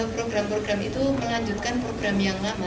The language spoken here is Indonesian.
program program itu melanjutkan program yang lama